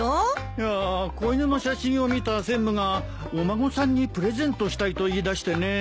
いや子犬の写真を見た専務がお孫さんにプレゼントしたいと言いだしてね。